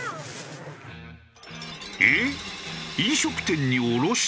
えっ？